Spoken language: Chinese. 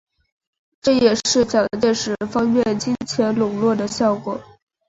这也是蒋介石方面金钱拢络的效果。